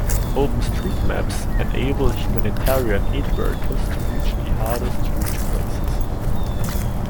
Open street maps enable humanitarian aid workers to reach the hardest to reach places.